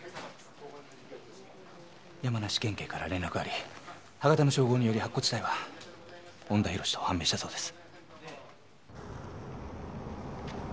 山梨県警から連絡があり歯型の照合により白骨死体は恩田浩と判明したそうです。